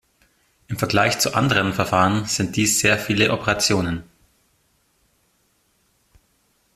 Im Vergleich zu anderen Verfahren sind dies sehr viele Operationen.